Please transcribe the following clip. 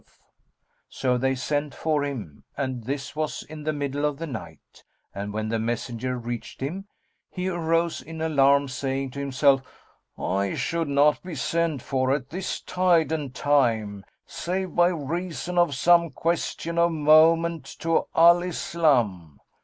"[FN#216] So they sent for him, and this was in the middle of the night; and when the messenger reached him, he arose in alarm, saying to himself, "I should not be sent for at this tide and time, save by reason of some question of moment to Al Islam."